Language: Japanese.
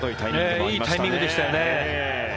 いいタイミングでしたね。